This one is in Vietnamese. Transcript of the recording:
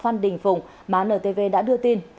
phan đình phùng má ntv đã đưa tin